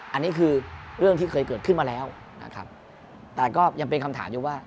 อันนี้คือเรื่องที่เคยเกิดขึ้นมาแล้วนะครับแต่ก็ยังเป็นคำถามอยู่ว่า